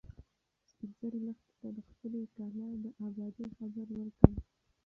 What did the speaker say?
سپین سرې لښتې ته د خپلې کلا د ابادۍ خبر ورکړ.